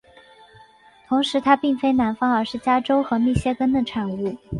同时它并非南方而是加州和密歇根的产物。